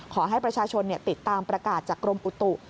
ขอให้ประชาชนติดตามประกาศจากกรมอุตุ